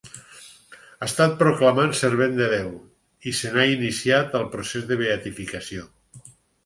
Ha estat proclamant Servent de Déu i se n'ha iniciat el procés de beatificació.